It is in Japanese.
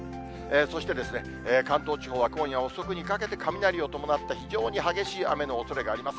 そして、関東地方は今夜遅くにかけて、雷を伴った非常に激しい雨のおそれがあります。